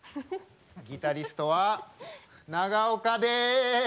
ギタリストは長岡です！